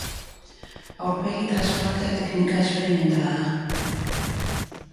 Aurpegi transplantea teknika esperimentala da.